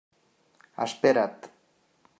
Espera't.